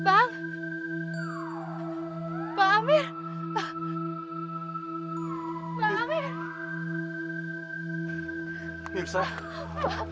aku akan membebaskan anak mantumu